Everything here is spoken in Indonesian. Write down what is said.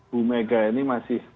bu mega ini masih